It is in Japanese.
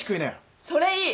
それいい！